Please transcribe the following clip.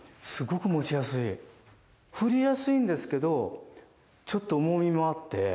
振りやすいんですけどちょっと重みもあって。